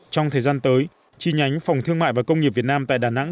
trong thời gian tới chi nhánh phòng thương mại và công nghiệp việt nam tại đà nẵng